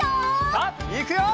さあいくよ！